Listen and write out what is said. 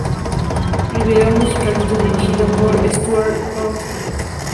El video musical está dirigido por Stuart Gosling.